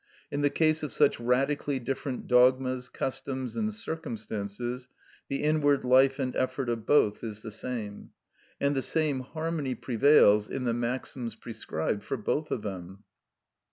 In the case of such radically different dogmas, customs, and circumstances, the inward life and effort of both is the same. And the same harmony prevails in the maxims prescribed for both of them.